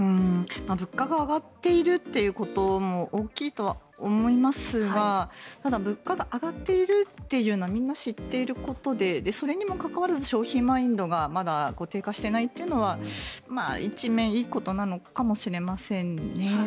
物価が上がっているということも大きいとは思いますがただ物価が上がっているというのはみんな知っていることでそれにもかかわらず消費マインドがまだ低下していないというのは一面いいことなのかもしれませんね。